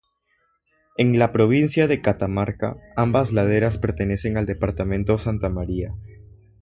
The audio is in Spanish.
En la provincia de Catamarca, ambas laderas pertenecen al Departamento Santa María.